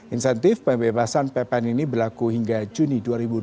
insentif pembebasan ppn ini berlaku hingga juni dua ribu dua puluh